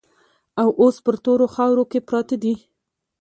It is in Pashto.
او اوس په تورو خاورو کې پراته دي.